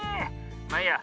まあいいや。